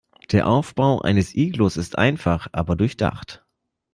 Der Aufbau eines Iglus ist einfach, aber durchdacht.